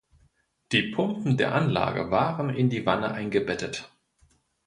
Die Pumpen der Anlage waren in die Wanne eingebettet.